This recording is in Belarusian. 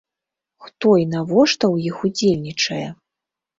Хто і навошта ў іх удзельнічае?